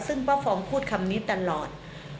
ซึ่งป้าฟองพูดคำนี้ตลอด